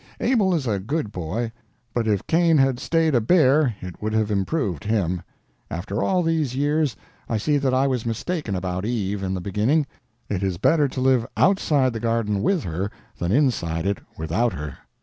Abel is a good boy, but if Cain had stayed a bear it would have improved him. After all these years, I see that I was mistaken about Eve in the beginning; it is better to live outside the Garden with her than inside it without her.